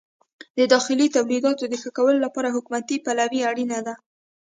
د داخلي تولیداتو د ښه کولو لپاره حکومتي پلوي اړینه ده.